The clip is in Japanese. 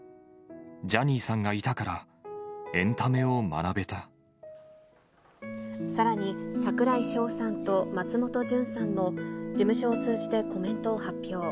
ジャニーさんがいたから、さらに、櫻井翔さんと松本潤さんも、事務所を通じてコメントを発表。